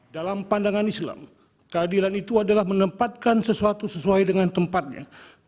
dalam pandangan islam keadilan itu adalah menempatkan sesuatu sesuai dengan tempatnya